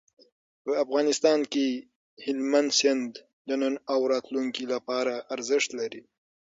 په افغانستان کې هلمند سیند د نن او راتلونکي لپاره ارزښت لري.